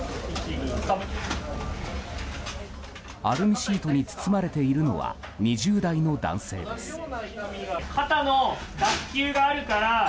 アルミシートに包まれているのは２０代の男性です。